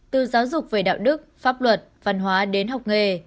từ giáo dục về đạo đức pháp luật văn hóa đến học nghề